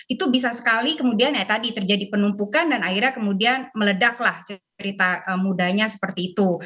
itu bisa sekali kemudian ya tadi terjadi penumpukan dan akhirnya kemudian meledaklah cerita mudanya seperti itu